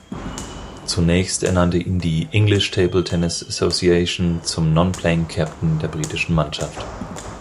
Zunächst ernannte ihn die "English Table Tennis Association" zum „non-playing Captain“ der britischen Mannschaft.